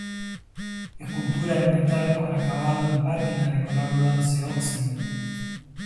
Escultura en metal con acabado en pátina de color bronce-óxido.